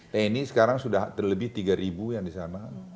tni sekarang sudah terlebih tiga ribu yang di sana